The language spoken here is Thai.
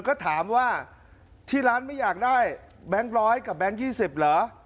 ก็ถามว่าที่ร้านไม่อยากได้แบงค์ร้อยกับแบงค์๒๐เหรอ